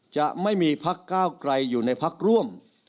จะไม่มีพักก้าวไกลอยู่ในพักร่วม